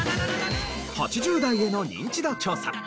８０代へのニンチド調査。